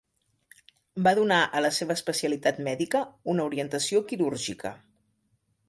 Va donar a la seva especialitat mèdica una orientació quirúrgica.